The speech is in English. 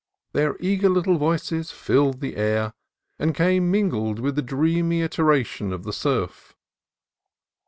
Their eager little voices filled the air, and came mingled with the dreamy iteration of the surf.